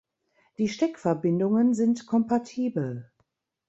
Die Steckverbindungen sind kompatibel.